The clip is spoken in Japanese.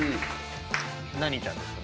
何ちゃんですか？